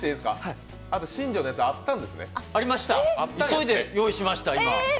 急いで用意しました、今。